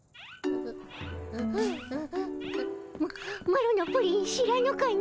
ママロのプリン知らぬかの？